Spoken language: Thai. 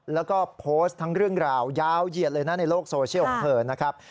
แล้วก็โพสต์ทั้งเรื่องราวยาวเหยียดเลยนะในโลกโซเชียลของเธอนะครับ